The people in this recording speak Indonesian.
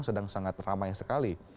sedang sangat ramai sekali